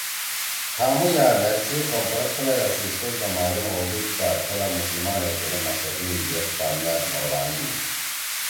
کھامُو یأ مھیر سی قوم پرست خلَگا سی سوچ ما معلُوم ہودُودا تھلا مُسلمانے تنُو مقصد می ید کامیاب نہ ہوبھانیِن